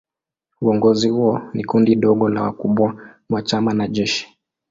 Uongozi huo ni kundi dogo la wakubwa wa chama na jeshi.